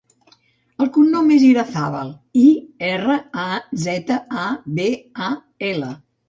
El cognom és Irazabal: i, erra, a, zeta, a, be, a, ela.